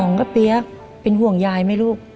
อ๋องก็เปี๊ยกเป็นห่วงยายไหมลูก